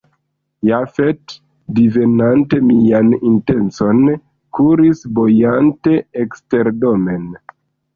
Jafet, divenante mian intencon, kuris bojante eksterdomen.